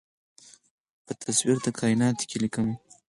په تصویر د کائیناتو کې ليکمه